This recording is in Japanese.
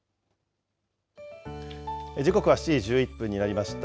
時刻は７時１１分になりました。